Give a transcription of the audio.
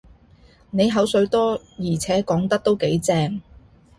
你口水多，而且講得都幾正